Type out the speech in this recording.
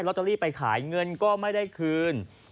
อตเตอรี่ไปขายเงินก็ไม่ได้คืน